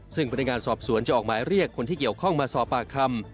ซึ่งพนักงานสอบสวนจะออกหมายเรียกคนที่เกี่ยวข้องมาสอบปากคำ